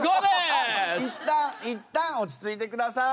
あっいったんいったん落ち着いてください。